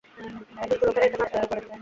দুষ্টু লোকেরা এখানে আসলো কী করে?